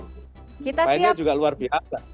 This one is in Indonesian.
mainnya juga luar biasa